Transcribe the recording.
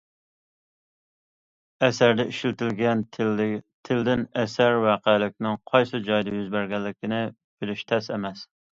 ئەسەردە ئىشلىتىلگەن تىلدىن ئەسەر ۋەقەلىكىنىڭ قايسى جايدا يۈز بەرگەنلىكىنى بىلىش تەس ئەمەس.